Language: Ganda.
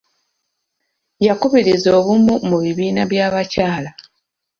Yakubiriza obumu mu bibiina by'abakyala.